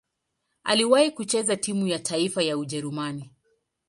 Aliwahi kucheza timu ya taifa ya Ujerumani.